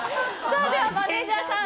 マネジャーさん